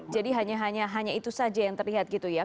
jadi hanya itu saja yang terlihat gitu ya